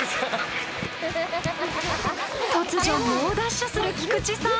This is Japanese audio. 突如猛ダッシュする菊池さん。